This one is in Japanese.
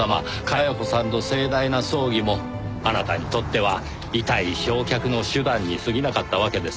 加世子さんの盛大な葬儀もあなたにとっては遺体焼却の手段に過ぎなかったわけです。